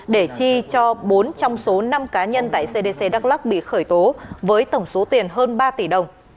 để chi cho bốn trong số năm cá nhân tại cdc đắk lắc bị khởi tố với tổng số tiền hơn ba tỷ đồng